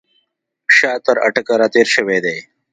شاه تر اټک را تېر شوی دی.